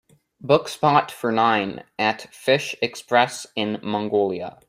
book spot for nine at Fish Express in Mongolia